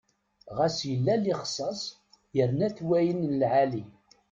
Ɣas yella lixsas yerna-t wayen n lɛali.